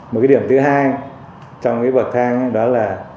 một điểm thứ hai trong bậc thang đó là